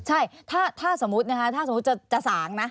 ใช่ถ้าสมมุตินะคะ